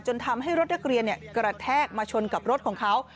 ทำให้รถนักเรียนกระแทกมาชนกับรถของเขา